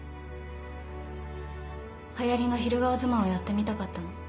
はやりの昼顔妻をやってみたかったの。